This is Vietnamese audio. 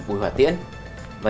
bất cứ có